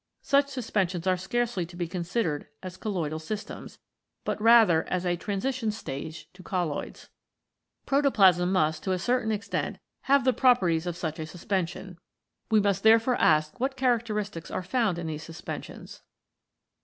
Such suspensions are scarcely to be con sidered as colloidal systems, but rather as a transi tion stage to colloids. Protoplasm must to a certain extent have the properties of such a sus 27 CHEMICAL PHENOMENA IN LIFE pension. We must therefore ask what character istics are found in these suspensions.